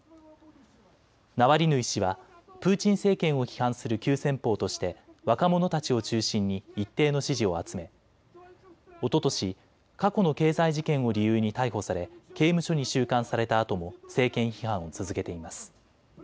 ナワリヌイ氏はプーチン政権を批判する急先ぽうとして若者たちを中心に一定の支持を集めおととし過去の経済事件を理由に逮捕され刑務所に収監されたあとも政権批判を続けています。